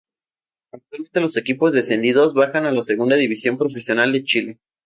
Actualmente los equipos descendidos bajan a la Segunda División Profesional de Chile.